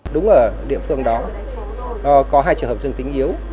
đúng là địa phương đó có hai trường hợp dương tính yếu